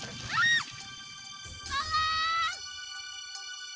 tapi tidak sampai jadi paham buat aku